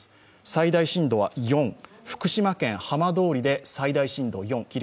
最大震度は４、福島県浜通りで最大震度４。